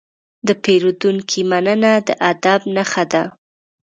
د پیرودونکي مننه د ادب نښه ده.